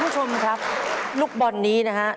คุณผู้ชมครับลูกบอลนี้นะฮะ